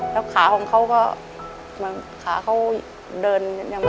แล้วขาของเขาก็เหมือนขาเขาเดินยังไง